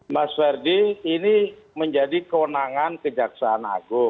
mas ferdi ini menjadi kewenangan kejaksaan agung